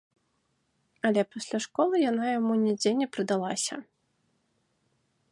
Але пасля школы яна яму нідзе не прыдалася.